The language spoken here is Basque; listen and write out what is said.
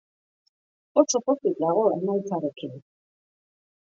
Oso pozik dago emaitzarekin.